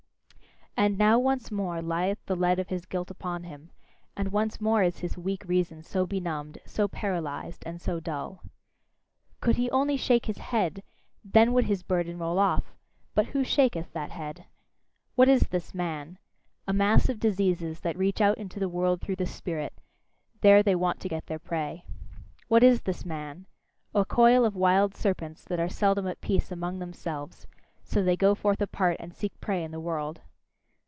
And now once more lieth the lead of his guilt upon him, and once more is his weak reason so benumbed, so paralysed, and so dull. Could he only shake his head, then would his burden roll off; but who shaketh that head? What is this man? A mass of diseases that reach out into the world through the spirit; there they want to get their prey. What is this man? A coil of wild serpents that are seldom at peace among themselves so they go forth apart and seek prey in the world.